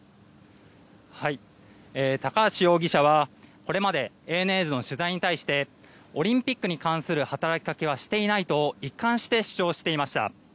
高橋容疑者はこれまでＡＮＮの取材に対してオリンピックに関する働きかけはしていないと一貫して主張していました。